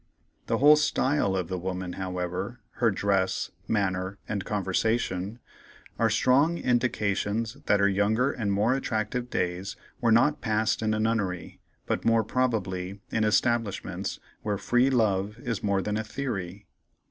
The whole "style" of the woman, however, her dress, manner, and conversation, are strong indications that her younger and more attractive days were not passed in a nunnery, but more probably in establishments where "Free Love" is more than a theory.